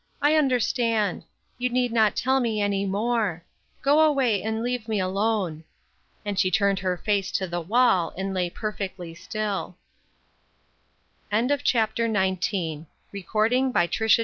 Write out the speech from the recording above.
" I understand ; you need not tell me any more ; go away, and leave me alone." And she turned her face to the wall, and lay perfectly still 238 BELATED WORK. CHAPTER